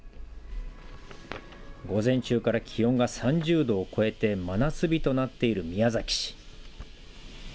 午前中から気温が３０度を超えて真夏日となっている宮崎市。